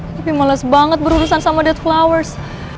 tapi males banget berurusan sama dead flowers